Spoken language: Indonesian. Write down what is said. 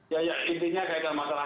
ya intinya kaitan masalah